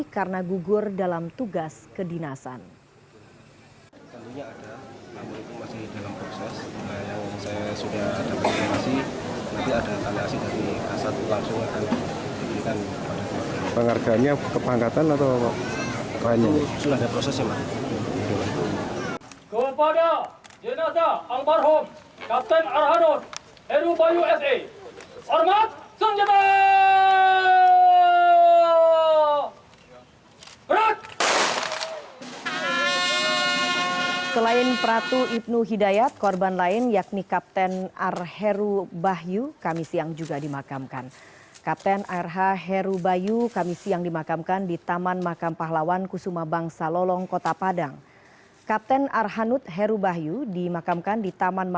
kepulauan riau selamat menikmati